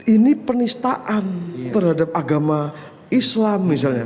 ini penistaan terhadap agama islam misalnya